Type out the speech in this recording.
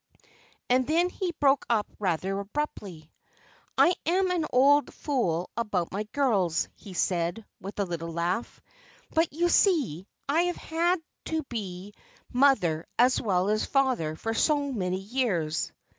And then he broke up rather abruptly. "I am an old fool about my girls," he said, with a little laugh; "but, you see, I have had to be mother as well as father for so many years."